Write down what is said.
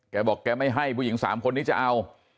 แกบอกแกไม่ให้ผู้หญิง๓คนนี้จะเอา